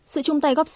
sự chung tay góp sự